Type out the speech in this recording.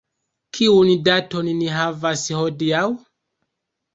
Kiun daton ni havas hodiaŭ?